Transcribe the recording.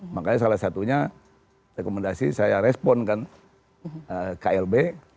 makanya salah satunya rekomendasi saya respon kan klb